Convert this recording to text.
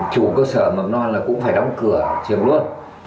chủ cơ sở mầm non là cũng phải đóng cửa trường luôn